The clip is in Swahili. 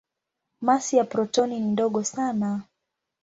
Masi ya protoni ni ndogo sana.